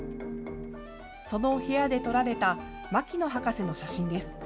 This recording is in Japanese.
その部屋で撮られた牧野博士の写真です。